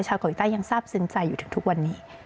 เกาหลีใต้ยังทราบซึ้งใจอยู่ถึงทุกวันนี้